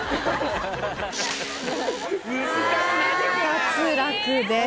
脱落です。